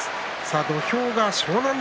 土俵が湘南乃